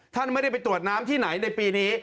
ท่านไม่ได้ไปตรวจน้ำที่ไหนในปีนี้